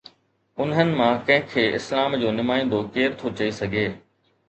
انهن مان ڪنهن کي اسلام جو نمائندو ڪير ٿو چئي سگهي؟